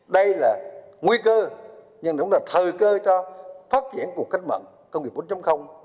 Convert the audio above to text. đây là nguy cơ nhưng cũng là thời cơ cho phát triển cuộc cách mạng công nghiệp bốn